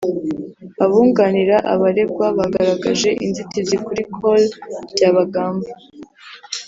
Abunganira abaregwa bagaragaje inzitizi kuri Col Byabagamba